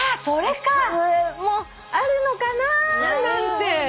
それもあるのかななんて。